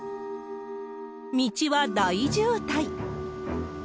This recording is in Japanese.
道は大渋滞。